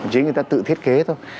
chính người ta tự thiết kế thôi